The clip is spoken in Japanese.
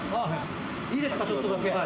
いいですか、ちょっとだけ。